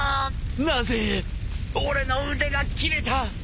なぜ俺の腕が斬れた。